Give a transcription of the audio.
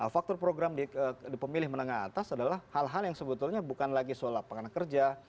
faktor program di pemilih menengah atas adalah hal hal yang sebetulnya bukan lagi soal lapangan kerja